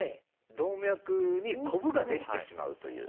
動脈にこぶができてしまうという。